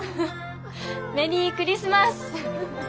メリークリスマス。